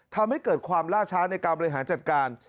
ทำให้เกิดความล่าช้าในการบริหารจัดการ